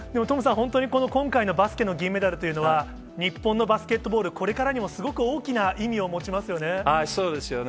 本当に今回のバスケの銀メダルというのは、日本のバスケットボール、これからにもすごく大きな意味を持ちますよね。